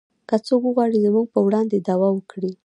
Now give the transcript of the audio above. که څوک وغواړي زموږ په وړاندې دعوه وکړي